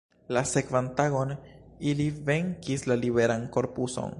La sekvan tagon ili venkis la liberan korpuson.